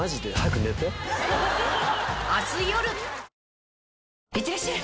「氷結」いってらっしゃい！